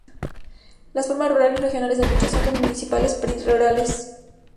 Las formas rurales regionales de administración son municipalidades rurales.